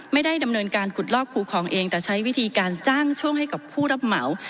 ไม่ได้ดำเนินการขุดลอกคูคลองเองแต่ใช้วิธีการจ้างช่วงให้กับผู้รับเหมา